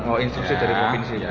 oh instruksi dari provinsi